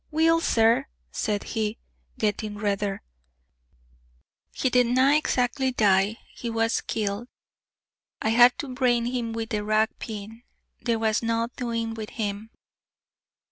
"Weel, sir," said he, getting redder, "he didna exactly dee; he was killed. I had to brain him wi' a rack pin; there was nae doing wi' him.